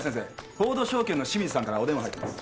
フォード証券の清水さんからお電話入ってます。